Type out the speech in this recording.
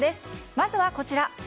まずはこちら。